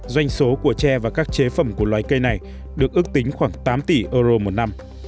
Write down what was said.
doanh số của tre và các chế phẩm của loài cây này được ước tính khoảng tám tỷ euro một năm